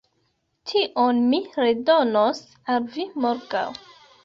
Tion mi redonos al vi morgaŭ